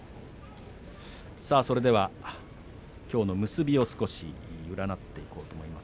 それでは、きょうの結びを少し占っていこうと思います。